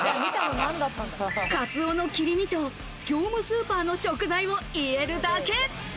カツオの切り身と、業務スーパーの食材を入れるだけ。